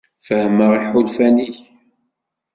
Fehmeɣ iḥulfan-ik.